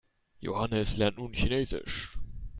Johannes lernt nun Chinesisch.